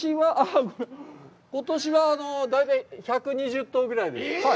ことしは、大体１２０頭ぐらいです。